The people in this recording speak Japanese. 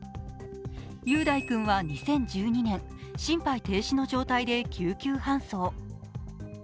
雄大君は２０１２年、心肺停止の状態で救急搬送。